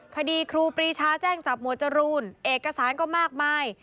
คดีครูปรีชาแจ้งจับหมวดจรูนเอกสารก็มากมาย